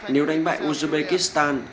nếu đánh bại uzbekistan